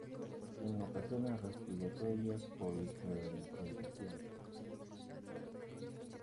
En ocasiones respiratoria por hiperventilación.